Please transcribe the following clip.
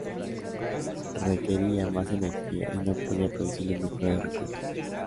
Requería más energía y no podía producir los mejores recuentos.